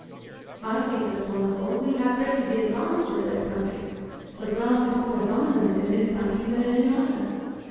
I think that, upon the whole, we have greatly the advantage of those countries; for grass is more abundant in this country than in any other.